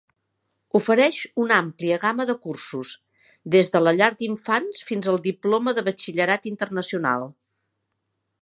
Ofereix una àmplia gama de cursos, des de la llar d'infants fins el diploma de batxillerat internacional.